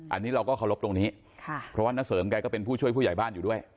อันนี้เราก็เคารพตรงนี้เพราะว่าน้าเสริมแกก็เป็นผู้ช่วยผู้ใหญ่บ้านอยู่ด้วย